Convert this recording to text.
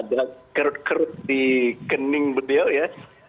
ada kerut kerut di kening beliau ya